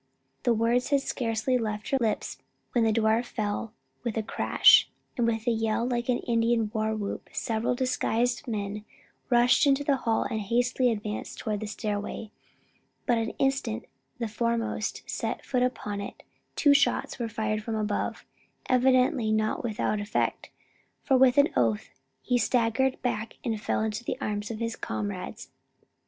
The words had scarcely left her lips when the door fell with a crash, and with a yell like an Indian war whoop several disguised men rushed into the hall and hastily advanced toward the stairway; but the instant the foremost set foot upon it, two shots were fired from above, evidently not without effect; for with an oath he staggered back and fell into the arms of his comrades.